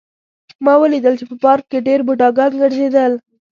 ما ولیدل چې په پارک کې ډېر بوډاګان ګرځېدل